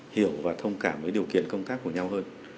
hiểu và thông cảm với điều kiện công tác của nhau hơn